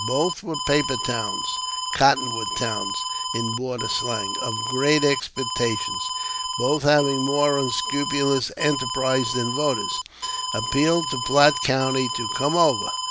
Both were paper towns "cottonwood towns," in border slang of great expectations; and both having more unscrupulous enterprise than voters, appealed to Platte County to "come over."